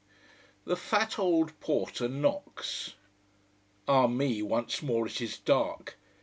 The fat old porter knocks. Ah me, once more it is dark.